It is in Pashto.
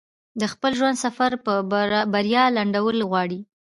د خپل ژوند سفر په بريا لنډول غواړي.